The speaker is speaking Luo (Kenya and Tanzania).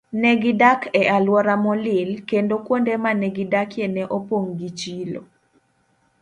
Ne gidak e alwora molil, kendo kuonde ma ne gidakie ne opong' gi chilo.